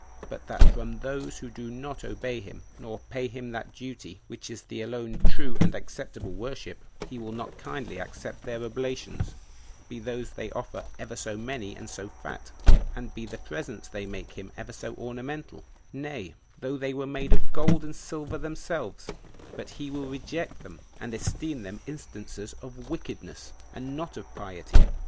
But that from those who do not obey him, nor pay him that duty which is the alone true and acceptable worship, he will not kindly accept their oblations, be those they offer ever so many and so fat, and be the presents they make him ever so ornamental, nay, though they were made of gold and silver themselves, but he will reject them, and esteem them instances of wickedness, and not of piety.